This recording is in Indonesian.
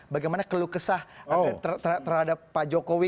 bagaimana keluh kesah terhadap pak jokowi